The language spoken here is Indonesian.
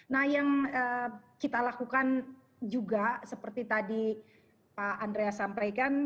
nah yang kita lakukan juga seperti tadi pak andreas sampaikan